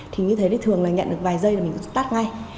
thì như thế thì thường là nhận được vài giây là mình tắt ngay